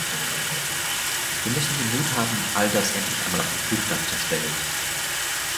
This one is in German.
Wir müssen den Mut haben, all das endlich einmal auf den Prüfstand zu stellen.